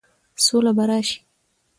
سوله به راشي،